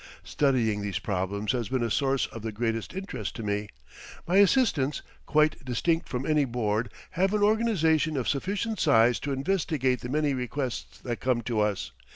Studying these problems has been a source of the greatest interest to me. My assistants, quite distinct from any board, have an organization of sufficient size to investigate the many requests that come to us.